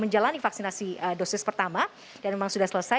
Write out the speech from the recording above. memang sudah selesai dilaksanakan